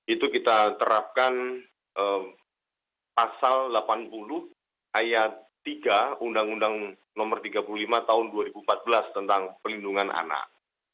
itu kita terapkan pasal delapan puluh ayat tiga undang undang nomor tiga puluh lima tahun dua ribu empat belas tentang perlindungan anak